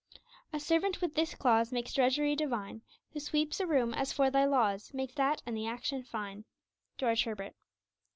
'A servant with this clause Makes drudgery divine; Who sweeps a room as for Thy laws, Makes that and the action fine.' George Herbert.